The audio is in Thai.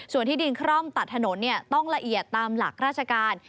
ส่วนที่ดินคร่อมตัดถนนต้องละเอียดตามหลักราชการ